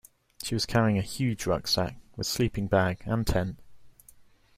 She was carrying a huge rucksack, with sleeping bag and tent